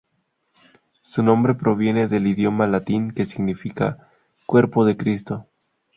Su nombre proviene del idioma latín que significa "Cuerpo de Cristo".